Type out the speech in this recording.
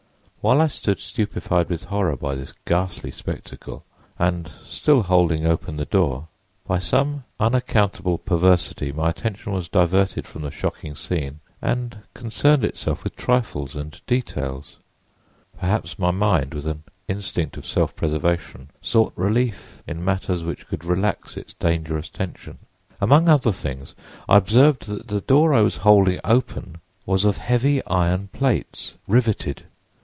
"While I stood stupefied with horror by this ghastly spectacle and still holding open the door, by some unaccountable perversity my attention was diverted from the shocking scene and concerned itself with trifles and details. Perhaps my mind, with an instinct of self preservation, sought relief in matters which would relax its dangerous tension. Among other things, I observed that the door that I was holding open was of heavy iron plates, riveted.